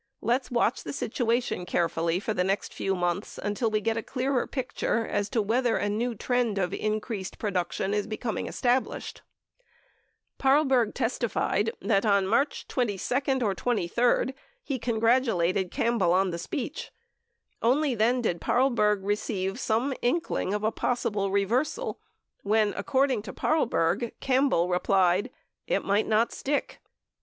Let's watch the situa tion carefully for the next few months until we get a clearer picture as to whether a new trend of increased production is becoming established. Paarlberg testified that on March 22 or 23 he congratulated Camp bell on the speech. Only then did Paarlberg receive some inkling of a possible reversal when, according to Paarlberg, Campbell replied : "It might not stick."